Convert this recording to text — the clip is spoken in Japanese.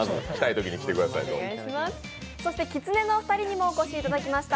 そしてきつねお二人もお越しいただきました。